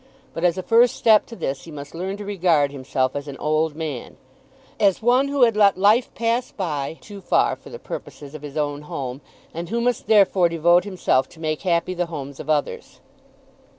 But as a first step to this he must learn to regard himself as an old man, as one who had let life pass by too far for the purposes of his own home, and who must therefore devote himself to make happy the homes of others.